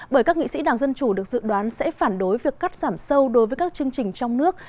bởi các nghị sĩ đảng dân chủ được dự đoán sẽ phản đối việc cắt giảm sâu đối với các chương trình trong nước